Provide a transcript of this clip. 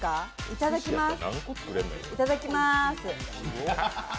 いただきます。